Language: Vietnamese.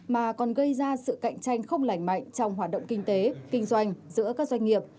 mà còn gây ra sự cạnh tranh không lành mạnh trong hoạt động kinh tế kinh doanh giữa các doanh nghiệp